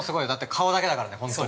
顔だけだからね、本当に。